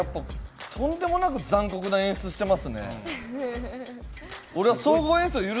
とんでもなく残酷な演出してますね。